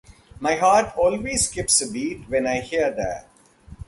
My heart always skips a beat when I hear that.